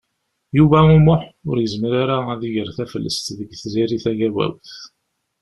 Yuba U Muḥ ur yezmir ara ad iger taflest deg Tiziri Tagawawt.